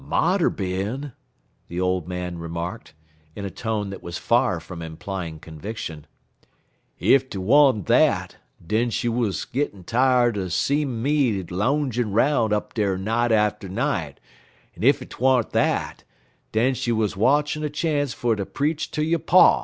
"Mought er bin," the old man remarked, in a tone that was far from implying conviction. "Ef 't wa'n't dat, den she wuz gittin' tired er seem' me lounjun' 'roun' up dar night atter night, en ef 't wa'n't dat, den she wuz watchin' a chance fer ter preach ter yo' pa.